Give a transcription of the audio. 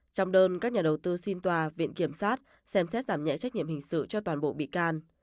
trong đơn các nhà đầu tư xin tòa viện kiểm sát xem xét giảm nhẹ trách nhiệm hình sự cho toàn bộ bị can